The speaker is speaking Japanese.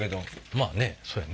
まあねそやね。